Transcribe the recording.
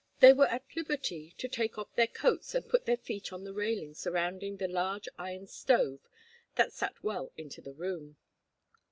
They were at liberty to take off their coats and put their feet on the railing surrounding the large iron stove that sat well out into the room.